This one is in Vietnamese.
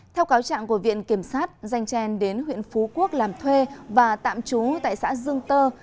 theo cáo trạng của viện kiểm sát danh trang đến huyện phú quốc làm thuê và tạm trú tại xã dương tơ